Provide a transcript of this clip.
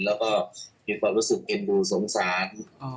แล้วก็มีความรู้สึกเอ็นดูสงสาร